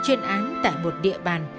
chuyên án tại một địa bàn